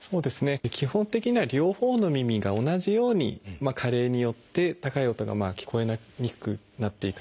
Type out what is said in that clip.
基本的には両方の耳が同じように加齢によって高い音が聞こえにくくなっていく。